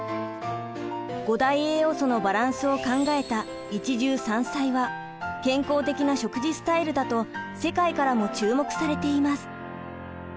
五大栄養素のバランスを考えた一汁三菜は健康的な食事スタイルだと世界からも注目されています。